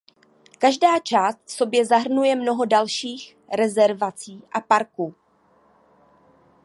Každá část v sobě zahrnuje mnoho dalších rezervací a parků.